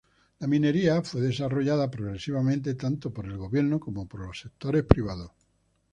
La minería fue desarrollada progresivamente tanto por el gobierno como por los sectores privados.